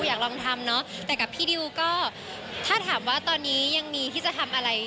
อยากลองทำเนอะแต่กับพี่ดิวก็ถ้าถามว่าตอนนี้ยังมีที่จะทำอะไร